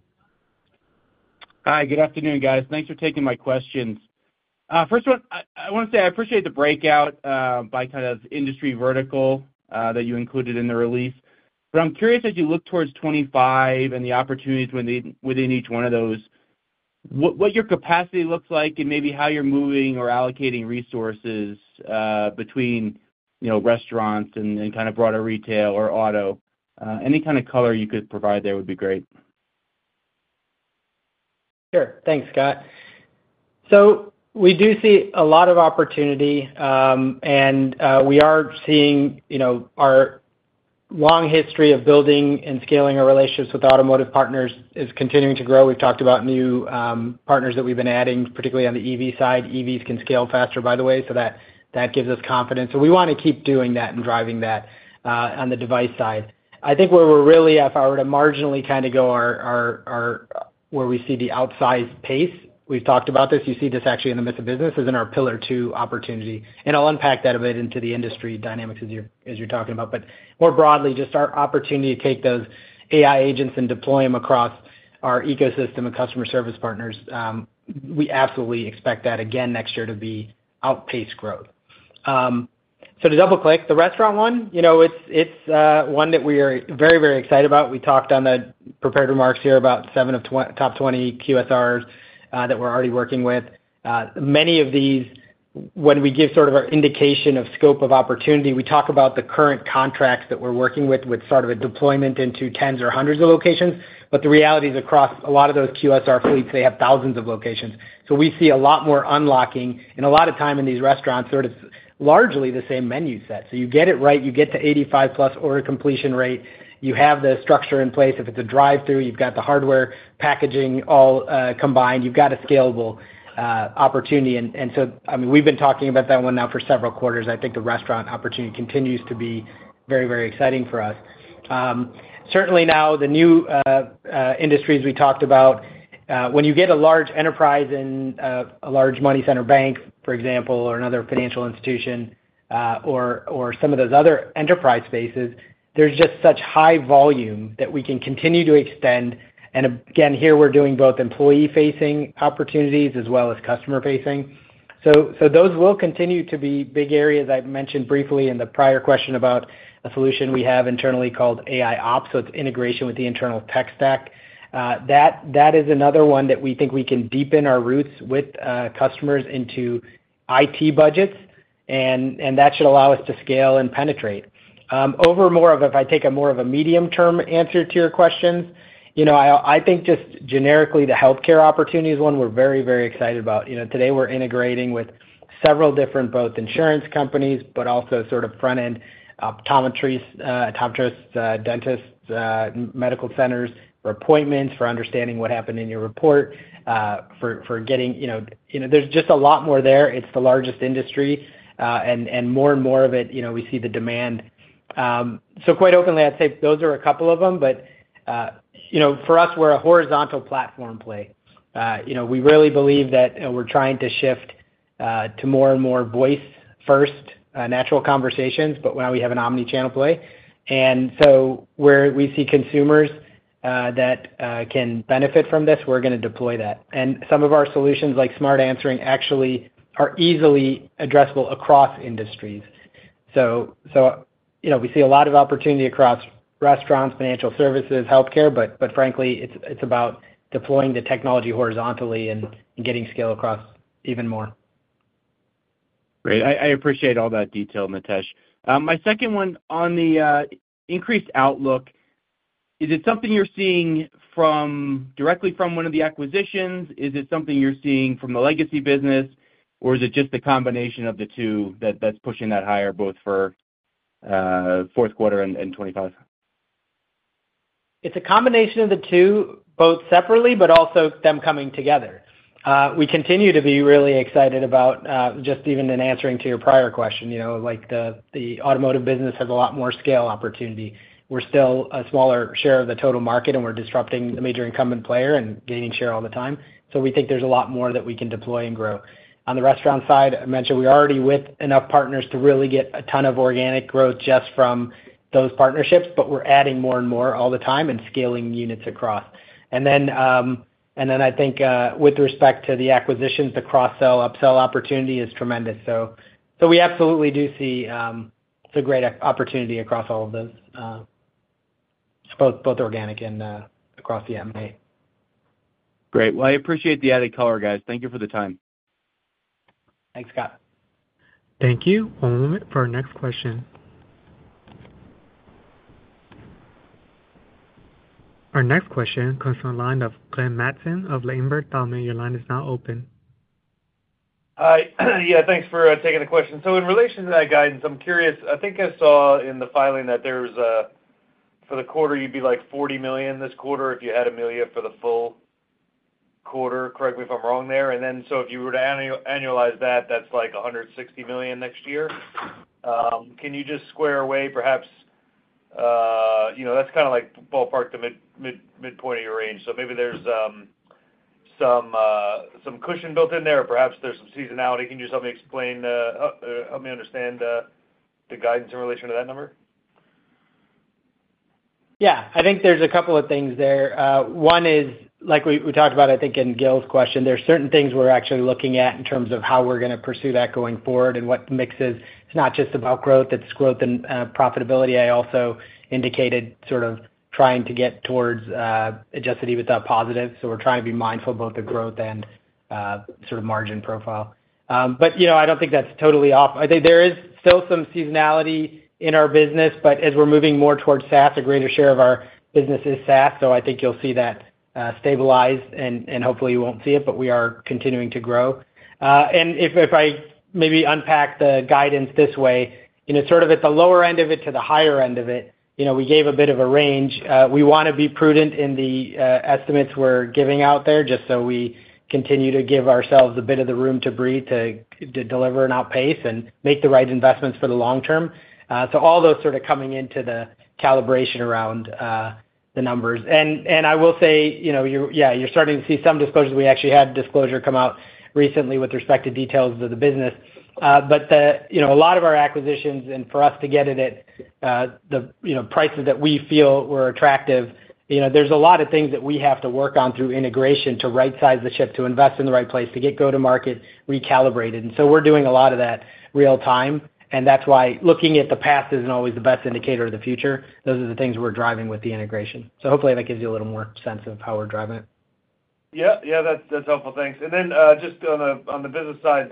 Hi. Good afternoon, guys. Thanks for taking my questions. First one, I want to say I appreciate the breakout by kind of industry vertical that you included in the release. But I'm curious, as you look towards 2025 and the opportunities within each one of those, what your capacity looks like and maybe how you're moving or allocating resources between restaurants and kind of broader retail or auto. Any kind of color you could provide there would be great. Sure. Thanks, Scott. So we do see a lot of opportunity, and we are seeing our long history of building and scaling our relationships with automotive partners is continuing to grow. We've talked about new partners that we've been adding, particularly on the EV side. EVs can scale faster, by the way, so that gives us confidence. So we want to keep doing that and driving that on the device side. I think where we're really at, if I were to marginally kind of go where we see the outsized pace, we've talked about this. You see this actually in the midst of business as in our pillar two opportunity. And I'll unpack that a bit into the industry dynamics as you're talking about. But more broadly, just our opportunity to take those AI agents and deploy them across our ecosystem and customer service partners. We absolutely expect that again next year to be outpaced growth. So to double-click, the restaurant one, it's one that we are very, very excited about. We talked on the prepared remarks here about seven of top 20 QSRs that we're already working with. Many of these, when we give sort of our indication of scope of opportunity, we talk about the current contracts that we're working with with sort of a deployment into tens or hundreds of locations. But the reality is across a lot of those QSR fleets, they have thousands of locations. So we see a lot more unlocking. And a lot of time in these restaurants, sort of largely the same menu set. So you get it right. You get to 85%+ order completion rate. You have the structure in place. If it's a drive-through, you've got the hardware packaging all combined. You've got a scalable opportunity. And so, I mean, we've been talking about that one now for several quarters. I think the restaurant opportunity continues to be very, very exciting for us. Certainly now, the new industries we talked about, when you get a large enterprise in a large money center bank, for example, or another financial institution or some of those other enterprise spaces, there's just such high volume that we can continue to extend. And again, here we're doing both employee-facing opportunities as well as customer-facing. So those will continue to be big areas I've mentioned briefly in the prior question about a solution we have internally called AIOps. So it's integration with the internal tech stack. That is another one that we think we can deepen our roots with customers into IT budgets, and that should allow us to scale and penetrate. Over more of, if I take a more of a medium-term answer to your questions, I think just generically the healthcare opportunity is one we're very, very excited about. Today, we're integrating with several different both insurance companies, but also sort of front-end optometrists, dentists, medical centers for appointments, for understanding what happened in your report, for getting. There's just a lot more there. It's the largest industry, and more and more of it, we see the demand. So quite openly, I'd say those are a couple of them. But for us, we're a horizontal platform play. We really believe that we're trying to shift to more and more voice-first natural conversations, but now we have an omnichannel play. And so where we see consumers that can benefit from this, we're going to deploy that. And some of our solutions like Smart Answering actually are easily addressable across industries. So we see a lot of opportunity across restaurants, financial services, healthcare, but frankly, it's about deploying the technology horizontally and getting scale across even more. Great. I appreciate all that detail, Nitesh. My second one on the increased outlook, is it something you're seeing directly from one of the acquisitions? Is it something you're seeing from the legacy business, or is it just the combination of the two that's pushing that higher both for fourth quarter and 2025? It's a combination of the two, both separately, but also them coming together. We continue to be really excited about just even in answering to your prior question. The automotive business has a lot more scale opportunity. We're still a smaller share of the total market, and we're disrupting the major incumbent player and gaining share all the time. So we think there's a lot more that we can deploy and grow. On the restaurant side, I mentioned we're already with enough partners to really get a ton of organic growth just from those partnerships, but we're adding more and more all the time and scaling units across. And then I think with respect to the acquisitions, the cross-sell, upsell opportunity is tremendous. So we absolutely do see it's a great opportunity across all of those, both organic and across the M&A. Great. Well, I appreciate the added color, guys. Thank you for the time. Thanks, Scott. Thank you. One moment for our next question. Our next question comes from the line of Glenn Mattson of Ladenburg Thalmann. Your line is now open. Hi. Yeah. Thanks for taking the question. So in relation to that guidance, I'm curious. I think I saw in the filing that for the quarter, you'd be like $40 million this quarter if you had Amelia for the full quarter. Correct me if I'm wrong there. And then so if you were to annualize that, that's like $160 million next year. Can you just square away perhaps that's kind of like ballpark the midpoint of your range. So maybe there's some cushion built in there, or perhaps there's some seasonality. Can you just help me explain or help me understand the guidance in relation to that number? Yeah. I think there's a couple of things there. One is, like we talked about, I think in Gil's question, there's certain things we're actually looking at in terms of how we're going to pursue that going forward and what mixes. It's not just about growth. It's growth and profitability. I also indicated sort of trying to get towards Adjusted EBITDA positive. So we're trying to be mindful of both the growth and sort of margin profile. But I don't think that's totally off. I think there is still some seasonality in our business, but as we're moving more towards SaaS, a greater share of our business is SaaS. So I think you'll see that stabilize, and hopefully, you won't see it, but we are continuing to grow. And if I maybe unpack the guidance this way, sort of at the lower end of it to the higher end of it, we gave a bit of a range. We want to be prudent in the estimates we're giving out there just so we continue to give ourselves a bit of the room to breathe, to deliver and outpace, and make the right investments for the long term, so all those sort of coming into the calibration around the numbers, and I will say, yeah, you're starting to see some disclosures. We actually had a disclosure come out recently with respect to details of the business, but a lot of our acquisitions and for us to get it at the prices that we feel were attractive, there's a lot of things that we have to work on through integration to right-size the ship, to invest in the right place, to get go-to-market recalibrated, and so we're doing a lot of that real time, and that's why looking at the past isn't always the best indicator of the future. Those are the things we're driving with the integration. So hopefully, that gives you a little more sense of how we're driving it. Yeah. Yeah. That's helpful. Thanks. And then just on the business side,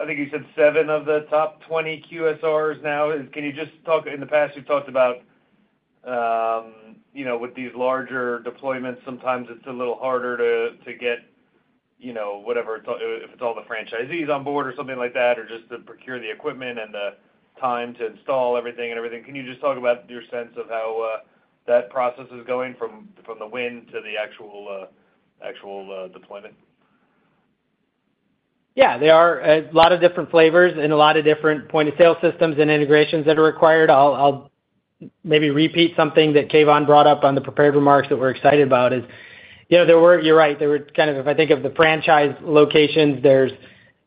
I think you said seven of the top 20 QSRs now. Can you just talk? In the past, you've talked about with these larger deployments, sometimes it's a little harder to get whatever, if it's all the franchisees on board or something like that, or just to procure the equipment and the time to install everything. Can you just talk about your sense of how that process is going from the win to the actual deployment? Yeah. There are a lot of different flavors and a lot of different point-of-sale systems and integrations that are required. I'll maybe repeat something that Keyvan brought up on the prepared remarks that we're excited about is you're right. Kind of if I think of the franchise locations,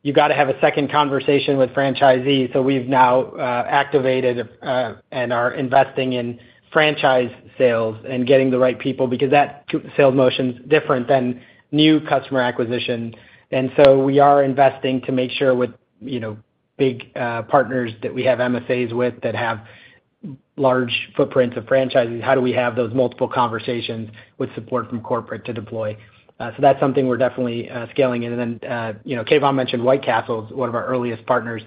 you've got to have a second conversation with franchisees. So we've now activated and are investing in franchise sales and getting the right people because that sales motion is different than new customer acquisition. We are investing to make sure with big partners that we have MFAs with that have large footprints of franchises. How do we have those multiple conversations with support from corporate to deploy? That's something we're definitely scaling in. Keyvan mentioned White Castle is one of our earliest partners.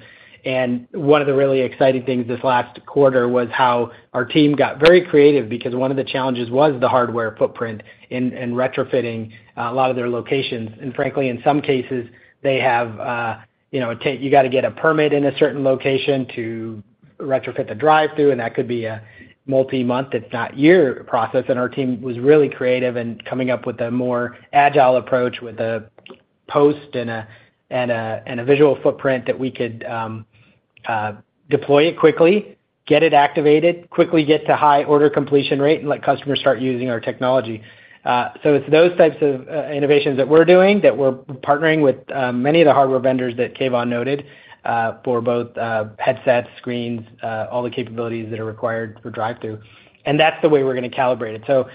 One of the really exciting things this last quarter was how our team got very creative because one of the challenges was the hardware footprint and retrofitting a lot of their locations. Frankly, in some cases, they have, you've got to get a permit in a certain location to retrofit the drive-through, and that could be a multi-month, if not year, process. Our team was really creative in coming up with a more agile approach with a post and a visual footprint that we could deploy it quickly, get it activated, quickly get to high order completion rate, and let customers start using our technology. It's those types of innovations that we're doing that we're partnering with many of the hardware vendors that Keyvan noted for both headsets, screens, all the capabilities that are required for drive-through. That's the way we're going to calibrate it.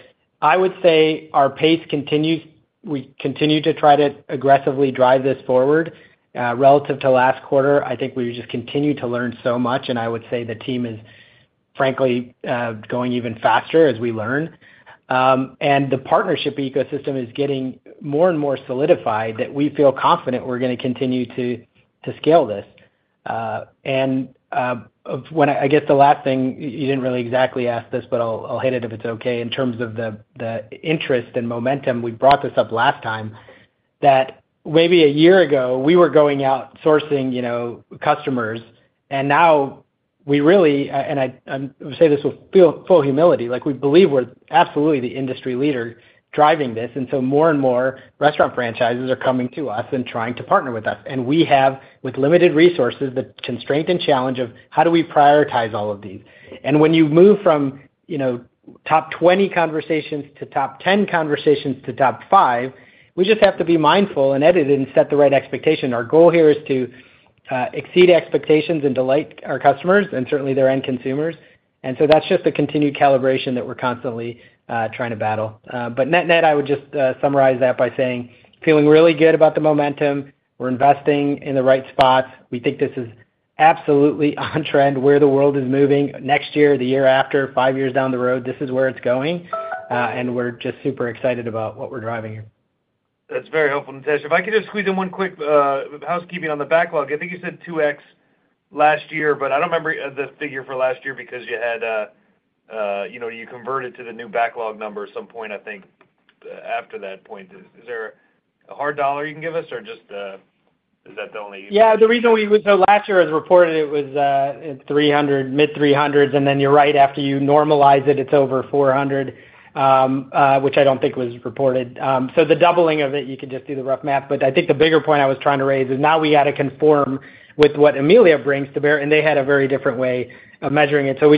I would say our pace continues. We continue to try to aggressively drive this forward. Relative to last quarter, I think we've just continued to learn so much. I would say the team is, frankly, going even faster as we learn. The partnership ecosystem is getting more and more solidified that we feel confident we're going to continue to scale this. I guess the last thing, you didn't really exactly ask this, but I'll hit it if it's okay. In terms of the interest and momentum, we brought this up last time that maybe a year ago, we were going out sourcing customers. Now we really, and I say this with full humility, we believe we're absolutely the industry leader driving this. So more and more restaurant franchises are coming to us and trying to partner with us. We have, with limited resources, the constraint and challenge of how do we prioritize all of these. When you move from top 20 conversations to top 10 conversations to top five, we just have to be mindful and edit and set the right expectation. Our goal here is to exceed expectations and delight our customers and certainly their end consumers. And so that's just the continued calibration that we're constantly trying to battle. Net, net, I would just summarize that by saying feeling really good about the momentum. We're investing in the right spots. We think this is absolutely on trend where the world is moving next year, the year after, five years down the road. This is where it's going. We're just super excited about what we're driving here. That's very helpful, Nitesh. If I could just squeeze in one quick housekeeping on the backlog. I think you said 2X last year, but I don't remember the figure for last year because you had converted to the new backlog number at some point, I think, after that point. Is there a hard dollar you can give us, or just is that the only. Yeah. The reason we so last year, as reported, it was mid-300s. And then you're right. After you normalize it, it's over 400, which I don't think was reported. So the doubling of it, you could just do the rough math. But I think the bigger point I was trying to raise is now we got to conform with what Amelia brings to bear. And they had a very different way of measuring it. So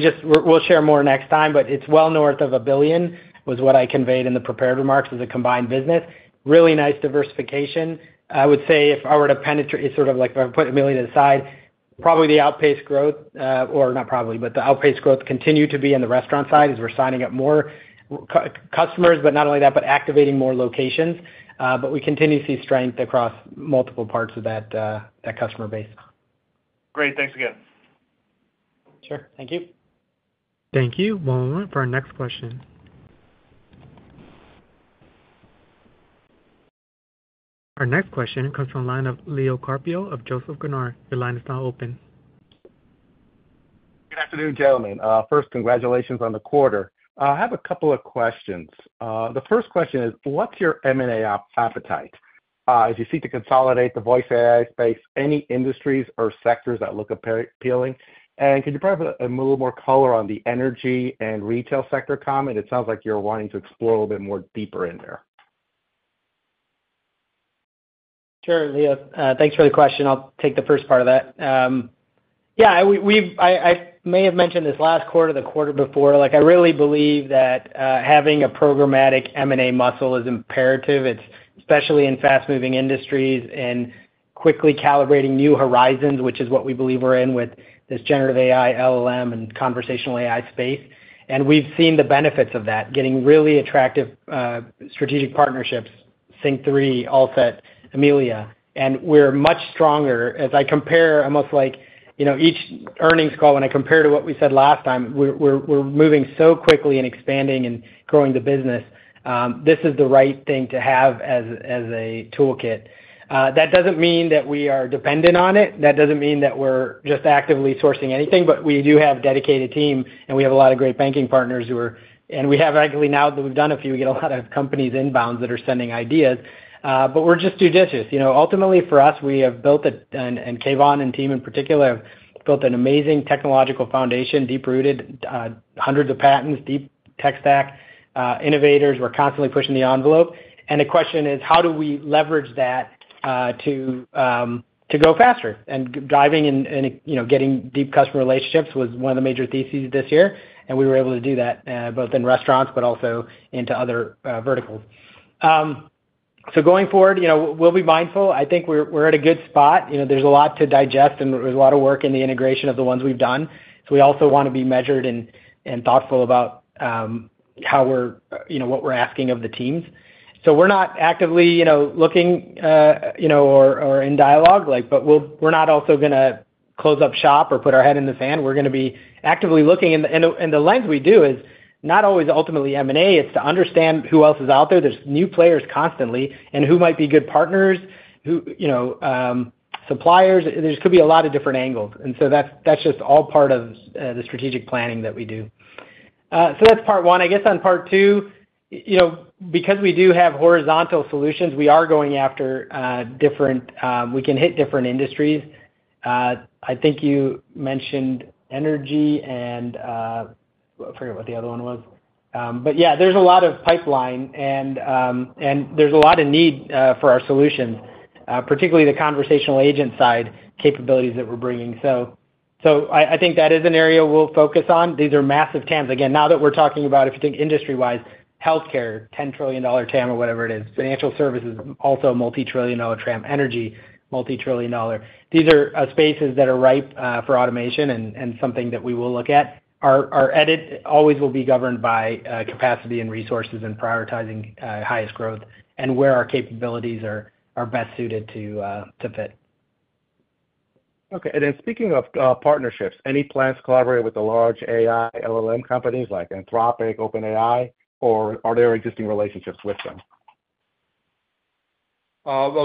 we'll share more next time. But it's well north of a billion, was what I conveyed in the prepared remarks as a combined business. Really nice diversification. I would say if I were to penetrate sort of like if I put Amelia to the side, probably the outpaced growth, or not probably, but the outpaced growth continued to be on the restaurant side as we're signing up more customers. But not only that, but activating more locations. But we continue to see strength across multiple parts of that customer base. Great. Thanks again. Sure. Thank you. Thank you. One moment for our next question. Our next question comes from the line of Leo Carpio of Joseph Gunnar. Your line is now open. Good afternoon, gentlemen. First, congratulations on the quarter. I have a couple of questions. The first question is, what's your M&A appetite? If you seek to consolidate the voice AI space, any industries or sectors that look appealing? And could you provide a little more color on the energy and retail sector comment? It sounds like you're wanting to explore a little bit more deeper in there. Sure, Leo. Thanks for the question. I'll take the first part of that. Yeah. I may have mentioned this last quarter, the quarter before. I really believe that having a programmatic M&A muscle is imperative, especially in fast-moving industries and quickly calibrating new horizons, which is what we believe we're in with this generative AI, LLM, and conversational AI space. And we've seen the benefits of that, getting really attractive strategic partnerships, SYNQ3, Allset, Amelia. And we're much stronger. As I compare, almost like each earnings call, when I compare to what we said last time, we're moving so quickly and expanding and growing the business. This is the right thing to have as a toolkit. That doesn't mean that we are dependent on it. That doesn't mean that we're just actively sourcing anything, but we do have a dedicated team, and we have a lot of great banking partners who are, and we have actually now that we've done a few, we get a lot of companies inbound that are sending ideas. But we're just judicious. Ultimately, for us, we have built a, and Keyvan and team in particular have built an amazing technological foundation, deep-rooted, hundreds of patents, deep tech stack, innovators. We're constantly pushing the envelope. And the question is, how do we leverage that to go faster? And driving and getting deep customer relationships was one of the major theses this year. And we were able to do that both in restaurants but also into other verticals. So going forward, we'll be mindful. I think we're at a good spot. There's a lot to digest, and there's a lot of work in the integration of the ones we've done, so we also want to be measured and thoughtful about how we're asking of the teams. We're not actively looking or in dialogue, but we're not also going to close up shop or put our head in the sand. We're going to be actively looking, and the lens we do is not always ultimately M&A. It's to understand who else is out there. There's new players constantly and who might be good partners, who suppliers. There could be a lot of different angles, and so that's just all part of the strategic planning that we do, so that's part one. I guess on part two, because we do have horizontal solutions, we are going after different, we can hit different industries. I think you mentioned energy and, I forget what the other one was. But yeah, there's a lot of pipeline, and there's a lot of need for our solutions, particularly the conversational agent side capabilities that we're bringing. So I think that is an area we'll focus on. These are massive TAMs. Again, now that we're talking about, if you think industry-wise, healthcare, $10 trillion TAM or whatever it is, financial services, also multi-trillion dollar TAM, energy, multi-trillion dollar. These are spaces that are ripe for automation and something that we will look at. Our entry always will be governed by capacity and resources and prioritizing highest growth and where our capabilities are best suited to fit. Okay. And then speaking of partnerships, any plans to collaborate with the large AI, LLM companies like Anthropic, OpenAI, or are there existing relationships with them?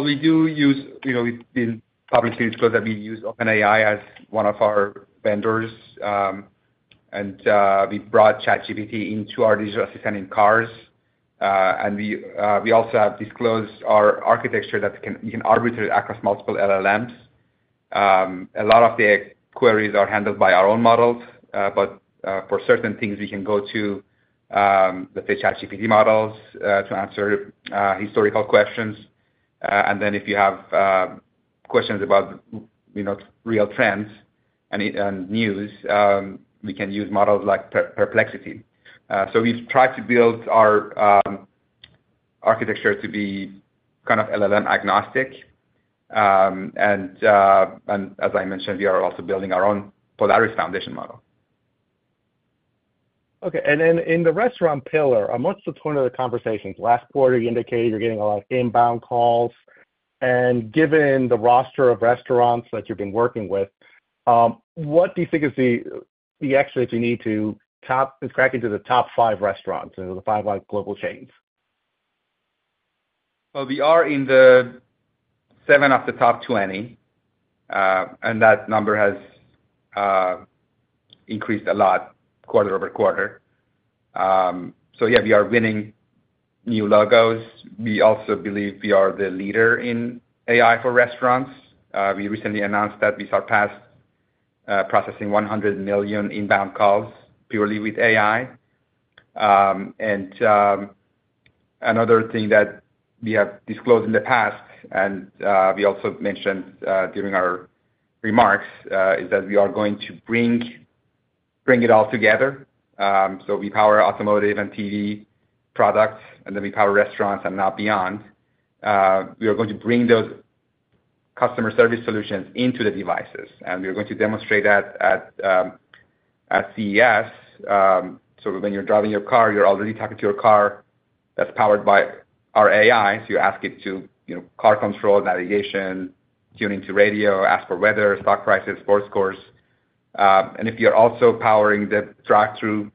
We do use—we've been publicly disclosed that we use OpenAI as one of our vendors, and we brought ChatGPT into our digital assistant in cars, and we also have disclosed our architecture that you can arbitrate across multiple LLMs. A lot of the queries are handled by our own models, but for certain things, we can go to, let's say, ChatGPT models to answer historical questions, and then if you have questions about real trends and news, we can use models like Perplexity, so we've tried to build our architecture to be kind of LLM agnostic, and as I mentioned, we are also building our own Polaris foundation model. Okay, and then in the restaurant pillar, on what's the tone of the conversations? Last quarter, you indicated you're getting a lot of inbound calls. Given the roster of restaurants that you've been working with, what do you think is the exit you need to crack into the top five restaurants and the five global chains? We are in seven of the top 20. That number has increased a lot quarter over quarter. Yeah, we are winning new logos. We also believe we are the leader in AI for restaurants. We recently announced that we surpassed processing 100 million inbound calls purely with AI. Another thing that we have disclosed in the past, and we also mentioned during our remarks, is that we are going to bring it all together. We power automotive and TV products, and then we power restaurants and not beyond. We are going to bring those customer service solutions into the devices. We're going to demonstrate that at CES. So when you're driving your car, you're already talking to your car that's powered by our AI. So you ask it to car control, navigation, tune into radio, ask for weather, stock prices, sports scores. And if you're also powering the drive-through,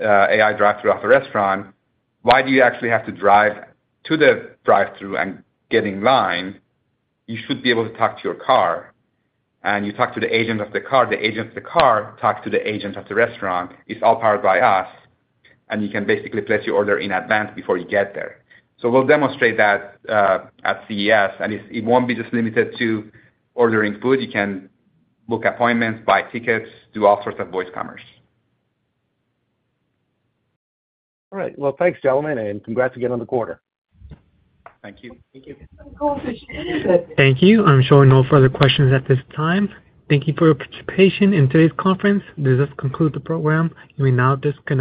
AI drive-through at the restaurant, why do you actually have to drive to the drive-through and get in line? You should be able to talk to your car. And you talk to the agent of the car. The agent of the car talks to the agent of the restaurant. It's all powered by us. And you can basically place your order in advance before you get there. So we'll demonstrate that at CES. And it won't be just limited to ordering food. You can book appointments, buy tickets, do all sorts of voice commerce. All right. Well, thanks, gentlemen. And congrats again on the quarter. Thank you. Thank you. Thank you. I'm sure no further questions at this time. Thank you for your participation in today's conference. This has concluded the program. You may now disconnect.